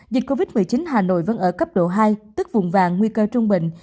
dịch covid một mươi chín hà nội vẫn ở cấp độ hai tức vùng vàng nguy cơ trung bình